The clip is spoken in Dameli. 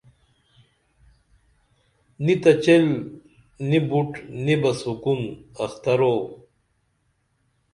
نی تہ چیل نی بُٹ نی بہ سکون اخترو